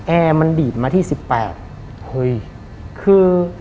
แอร์มันดีดมาที่๑๘เฮ้ย